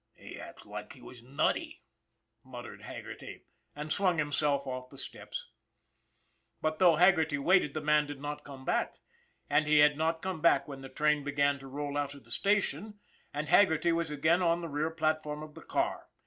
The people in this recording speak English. " He acts like he was nutty," muttered Haggerty, and swung himself off the steps. But, though Haggerty waited, the man did not come back, and he had not come back when the train began to roll out of the station, and Haggerty was again on the rear platform of the car.